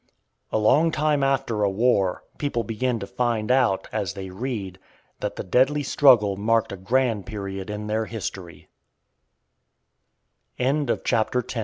A long time after a war, people begin to find out, as they read, that the deadly struggle marked a grand period in their